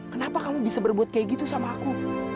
kenapa kamu bisa berbuat kayak gitu sama aku